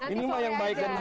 ini mah yang baik dan benar